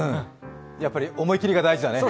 やっぱり思い切りが大事だね。